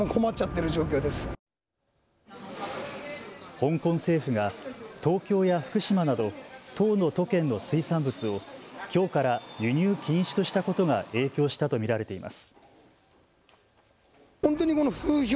香港政府が東京や福島など１０の都県の水産物をきょうから輸入禁止としたことが影響したと見られています。